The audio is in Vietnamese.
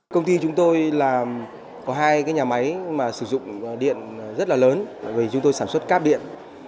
công ty chúng tôi là có hai nhà máy mà sử dụng điện rất là lớn vì chúng tôi sản xuất cáp điện